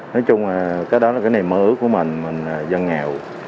nói chung là cái đó là cái này mơ ước của mình mình là dân nghèo